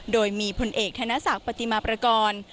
โดยมีพลเอกธนศักดิ์ปฏิมาประกอบ